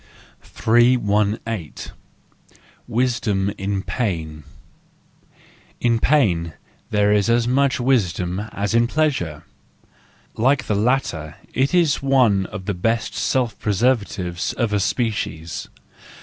318. Wisdom in Pain .—In pain there is as much wisdom as in pleasure: like the latter it is one of the best self preservatives of a species.